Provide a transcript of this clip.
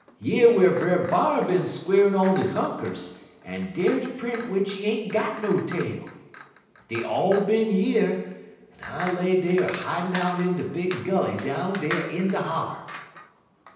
Yer whar Brer B'ar bin squattin' on he hunkers, en dar de print w'ich he ain't got no tail. Dey er all bin yer, en I lay dey er hidin' out in de big gully down dar in de holler.'